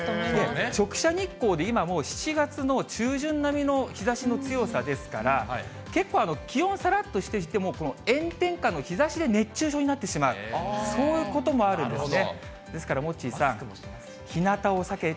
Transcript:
直射日光って今、もう７月の中旬並みの日ざしの強さですから、結構、気温さらっとしていても、この炎天下の日ざしで、熱中症になってしまう、そういうこともあるんですね。